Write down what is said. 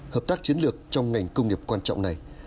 hợp tác chiến lược trong ngành công nghiệp quan trọng này